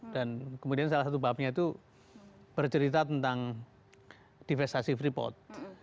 dan kemudian salah satu babnya itu bercerita tentang divestasi freeport